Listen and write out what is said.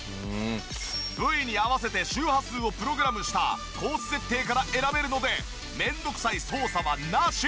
部位に合わせて周波数をプログラムしたコース設定から選べるので面倒くさい操作はなし。